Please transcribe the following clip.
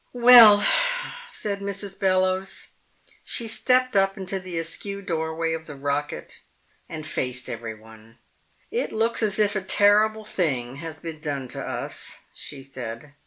"Well," said Mrs. Bellowes. She stepped up into the askew doorway of the rocket and faced everyone. "It looks as if a terrible thing has been done to us," she said.